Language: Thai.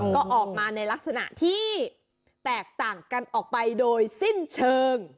ก็ออกมาในลักษณะที่แตกต่างกันออกไปโดยสิ้นเชิง